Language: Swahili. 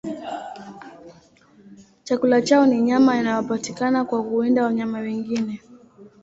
Chakula chao ni nyama inayopatikana kwa kuwinda wanyama wengine.